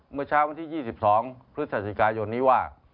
เมื่อเช้าวันที่๒๒พฤศจิกายนนี้ว่า